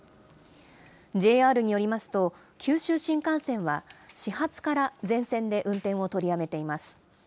ＪＲによりますと、九州新幹線は始発から全線で運転を取りやめています。